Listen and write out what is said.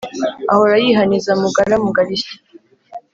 ahora yihaniza mugara, mugarishya.